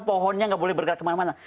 pohonnya nggak boleh bergerak kemana mana